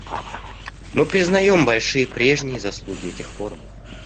Мы признаем большие прежние заслуги этих форумов.